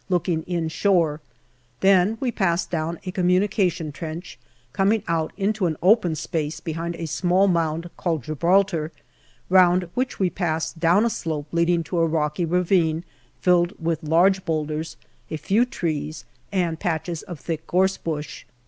looking inshore; then we pass down a communication trench, coming out into an open space behind a small mound called Gibraltar, round which we pass down a slope leading tq;ja rocky ravine filled with large boulders, a few trees, OCTOBER 251 and patches of thick gorse bush.